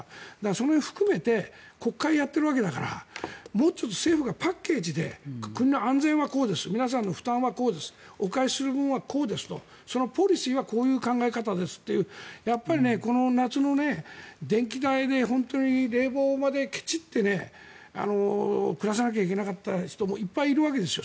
その辺を含めて国会やっているわけだからもうちょっと政府がパッケージで国の安全はどうです負担はこうですなどとそのポリシーはこういう考え方ですというこの夏の電気代で本当に冷房までけちって暮らさなきゃいけなかった人もいっぱいいるわけですよ。